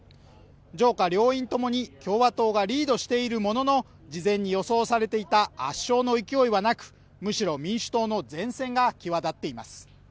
上下両院ともに共和党がリードしているものの事前に予想されていた圧勝の勢いはなくむしろ民主党の善戦が際立っています